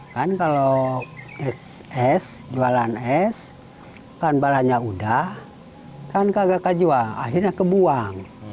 kan kalau es jualan es kan balanya udah kan kagak kajuang akhirnya kebuang